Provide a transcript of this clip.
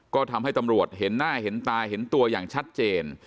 ก็ทำให้ตำรวจเห็นหน้าเห็นตาเห็นตัวอย่างชัดเจน